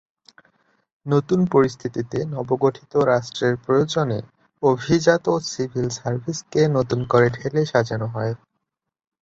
নতুন পরিস্থিতিতে নবগঠিত রাষ্ট্রের প্রয়োজনে অভিজাত সিভিল সার্ভিসকে নতুন করে ঢেলে সাজানো হয়।